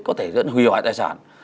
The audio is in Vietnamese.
có thể dẫn đến hủy hoại tài sản